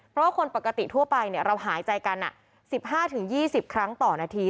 เพราะว่าคนปกติทั่วไปเราหายใจกัน๑๕๒๐ครั้งต่อนาที